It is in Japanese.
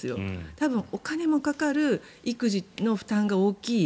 多分、お金もかかる育児の負担が大きい。